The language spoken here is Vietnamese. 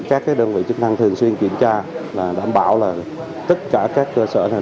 các đơn vị chức năng thường xuyên kiểm tra đảm bảo là tất cả các cơ sở này